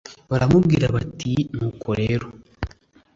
baramubwira bati nuko rero